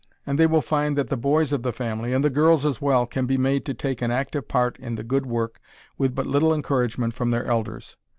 And they will find that the boys of the family and the girls as well can be made to take an active part in the good work with but little encouragement from their elders.